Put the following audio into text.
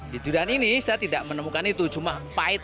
di durian ini saya tidak menemukan itu cuma pahit